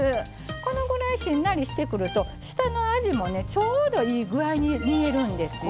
このぐらいしんなりしてくると下のあじもねちょうどいい具合に煮えるんですよ。